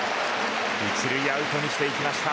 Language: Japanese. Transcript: １塁をアウトにしていきました。